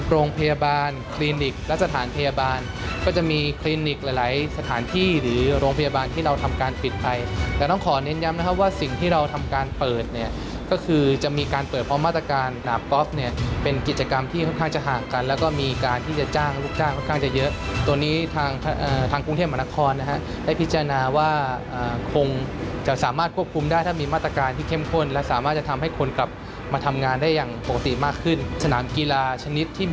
โรงพยาบาลคลินิกและสถานพยาบาลก็จะมีคลินิกหลายสถานที่หรือโรงพยาบาลที่เราทำการปิดไปแต่ต้องขอเน้นย้ำนะครับว่าสิ่งที่เราทำการเปิดเนี่ยก็คือจะมีการเปิดเพราะมาตรการหนาบกอล์ฟเนี่ยเป็นกิจกรรมที่ค่อนข้างจะห่างกันแล้วก็มีการที่จะจ้างลูกจ้างค่อนข้างจะเยอะตัวนี้ทางกรุงเทพมนครนะครับได้พ